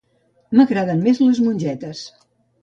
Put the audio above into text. M'agraden més les mongetes.